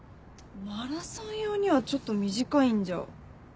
マラソン用にはちょっと短いんじゃ。